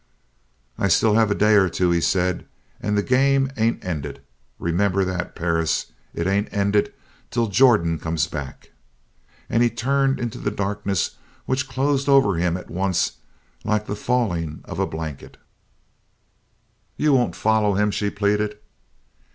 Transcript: "I still have a day or two," he said. "And the game ain't ended. Remember that, Perris. It ain't ended till Jordan comes back." And he turned into the darkness which closed over him at once like the falling of a blanket. "You won't follow him?" she pleaded.